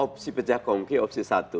opsi pecah kongki opsi satu